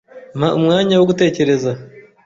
Mpa umwanya wo gutekereza.